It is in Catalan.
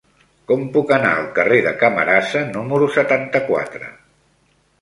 Com puc anar al carrer de Camarasa número setanta-quatre?